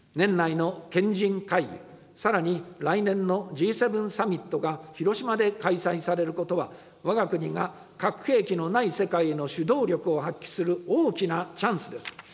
年内の賢人会議、さらに来年のＧ７サミットが広島で開催されることは、わが国が核兵器のない世界への主導力を発揮する大きなチャンスです。